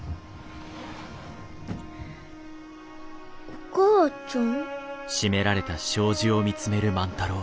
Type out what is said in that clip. お母ちゃん？